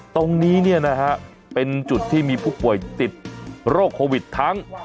ตรงนี้เนี่ยนะฮะเป็นจุดที่มีผู้ป่วยติดโรคโควิดทั้ง